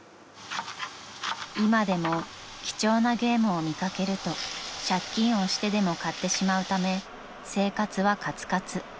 ［今でも貴重なゲームを見掛けると借金をしてでも買ってしまうため生活はかつかつ］